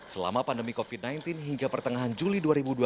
selama pandemi covid sembilan belas hingga pertengahan juli dua ribu dua puluh